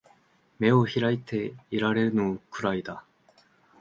眼を開いていられぬくらいだ